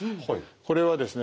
これはですね